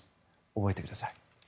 覚えてください。